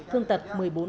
thương tật một mươi bốn